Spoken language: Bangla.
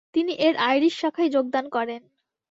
তিনি এর আইরিশ শাখায় যোগদান করেন।